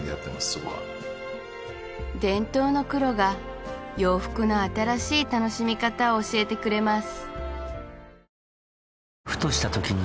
そこは伝統の黒が洋服の新しい楽しみ方を教えてくれます